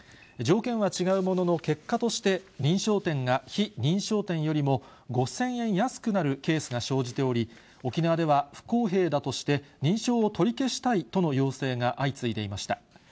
条件は違うものの、結果として認証店が非認証店よりも５０００円安くなるケースが生じており、沖縄では不公平だとして、認証を取り消したいとの要請が相次いでいました。